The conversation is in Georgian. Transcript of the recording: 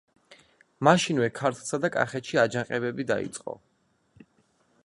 მაშინვე ქართლსა და კახეთში აჯანყებები დაიწყო.